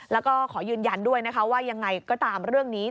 แล้วก็ขอยืนยันด้วยนะคะว่ายังไงก็ตามเรื่องนี้